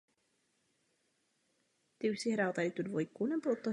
Jihovýchod.